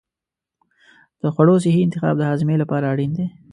د خوړو صحي انتخاب د هاضمې لپاره اړین دی.